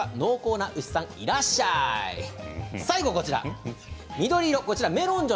口の中濃厚な牛さんいらっしゃい！